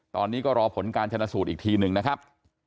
ตอนนี้ก็รอผลการชนะสูตรอีกทีหนึ่งนะครับ